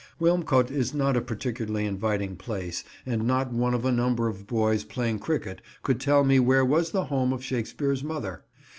Wilmcote is not a particularly inviting place, and not one of a number of boys playing cricket could tell me where was the home of Shakespeare's mother.